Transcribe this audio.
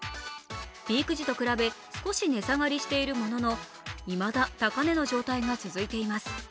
ピーク時と比べ、少し値下がりしているもののいまだ高値の状態が続いています。